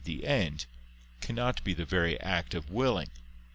the end, cannot be the very act of willing.